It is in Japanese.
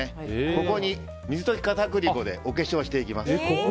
ここに水溶き片栗粉でお化粧していきます。